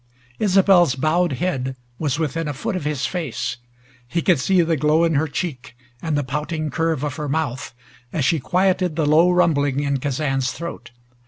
Isobel's bowed head was within a foot of his face. He could see the glow in her cheek and the pouting curve of her mouth as she quieted the low rumbling in Kazan's throat.